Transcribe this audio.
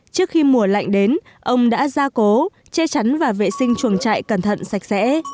trước khi mùa lạnh đến ông đã ra cố che chắn và vệ sinh chuồng trại cẩn thận sạch sẽ